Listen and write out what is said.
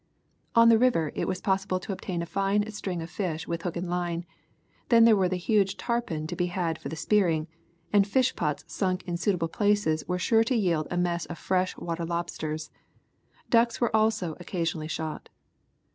On the river it was possible to obtain a fine string of fish with hook and line, then there was the huge tarpon to be had for the spearing, and fish pots sunk in suitable places were sure to yield a mess of fresh water lobsters. Ducks were also occasionally shot.